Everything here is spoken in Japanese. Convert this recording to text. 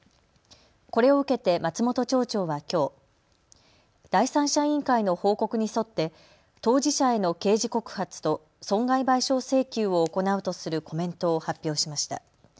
これを受けて松本町長はきょう、第三者委員会の報告に沿って当事者への刑事告発と損害賠償請求を行うとするコメントを発表しました。